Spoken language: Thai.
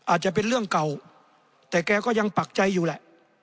อาจจะเป็นเรื่องเก่าแต่แกก็ยังปักใจอยู่แหละ